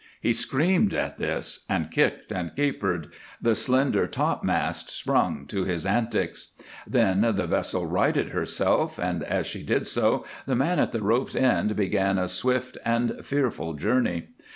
He screamed at this, and kicked and capered; the slender topmast sprung to his antics. Then the vessel righted herself, and as she did so the man at the rope's end began a swift and fearful journey.